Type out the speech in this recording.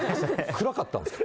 ・暗かったんですか？